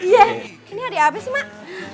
iya ini hadiah apa sih mak